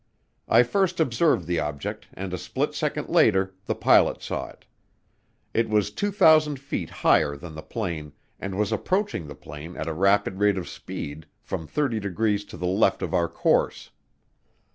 I first observed the object and a split second later the pilot saw it. It was 2,000 feet higher than the plane, and was approaching the plane at a rapid rate of speed from 30 degrees to the left of our course.